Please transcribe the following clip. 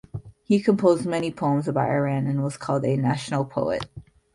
He composed many poems about Iran and was called a "national poet".